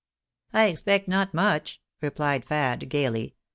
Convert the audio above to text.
" I expect not jnuch," replied Fad, gaily.